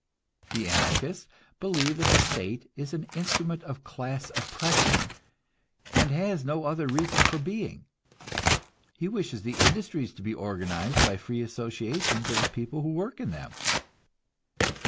The Anarchist believes that the state is an instrument of class oppression, and has no other reason for being. He wishes the industries to be organized by free associations of the people who work in them.